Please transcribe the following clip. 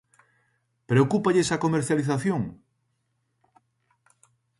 ¿Preocúpalles a comercialización?